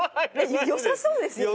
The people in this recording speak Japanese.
良さそうですよ。